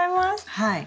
はい。